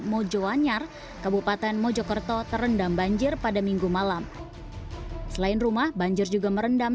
mojoanyar kabupaten mojokerto terendam banjir pada minggu malam selain rumah banjir juga merendam